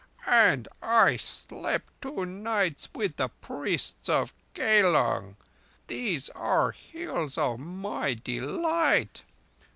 "And I slept two nights with the priests of Kailung. These are the Hills of my delight!